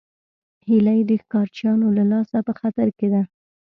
هیلۍ د ښکارچیانو له لاسه په خطر کې ده